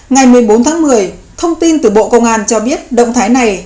ngày một mươi bốn tháng một mươi thông tin từ bộ công an cho biết động thái này